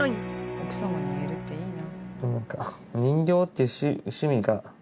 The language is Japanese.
奥様に言えるっていいな。